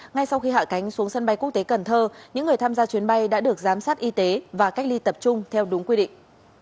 ngay sau khi hạ cánh xuống sân bay quốc tế cần thơ những người tham gia chuyến bay đã được giám sát y tế và cách ly tập trung theo đúng quy định